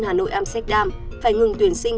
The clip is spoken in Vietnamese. hà nội amsterdam phải ngừng tuyển sinh